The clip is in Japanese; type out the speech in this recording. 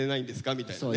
みたいなね。